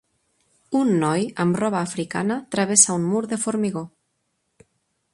Un noi amb roba africana travessa un mur de formigó